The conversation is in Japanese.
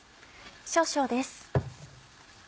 少々です。